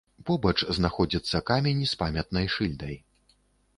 Побач знаходзіцца камень з памятнай шыльдай.